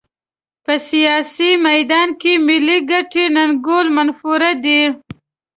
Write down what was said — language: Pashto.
په سیاسي میدان کې ملي ګټې ننګول منفور دي.